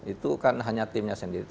itu kan hanya timnya sendiri